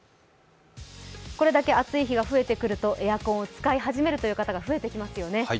これだけ暑い日が増えてくるとエアコンを使い始める方が増えてきますよね。